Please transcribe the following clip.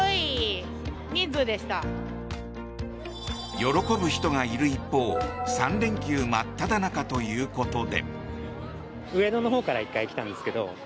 喜ぶ人がいる一方３連休真っただ中ということで。